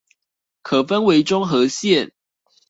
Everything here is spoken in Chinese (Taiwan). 可分為中和線